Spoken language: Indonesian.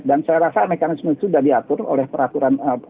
dan saya rasa mekanisme itu sudah diatur oleh peraturan